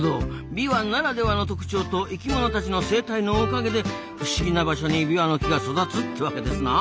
ビワならではの特徴と生きものたちの生態のおかげで不思議な場所にビワの木が育つというわけですな。